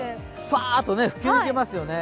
さーっと吹き抜けますよね。